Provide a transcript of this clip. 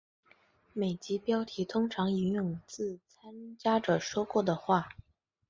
每集标题通常引用自参加者说过的话。